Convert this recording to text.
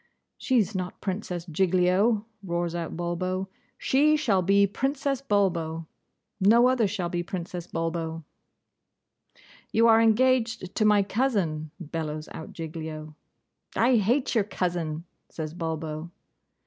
'She's not Princess Giglio!' roars out Bulbo. 'She shall be Princess Bulbo, no other shall be Princess Bulbo.' 'You are engaged to my cousin!' bellows out Giglio. 'I hate your cousin,' says Bulbo.